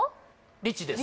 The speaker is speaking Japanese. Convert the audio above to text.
リチです